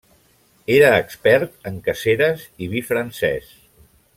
Era expert en caceres i vi francès.